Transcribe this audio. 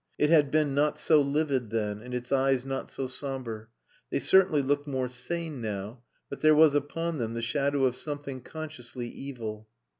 It had been not so livid then, and its eyes not so sombre. They certainly looked more sane now, but there was upon them the shadow of something consciously evil.